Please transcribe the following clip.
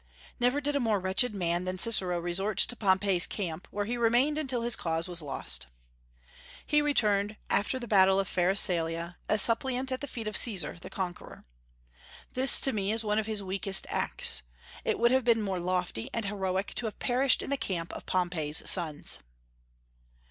Never did a more wretched man than Cicero resort to Pompey's camp, where he remained until his cause was lost. He returned, after the battle of Pharsalia, a suppliant at the feet of Caesar, the conqueror. This, to me, is one of his weakest acts. It would have been more lofty and heroic to have perished in the camp of Pompey's sons.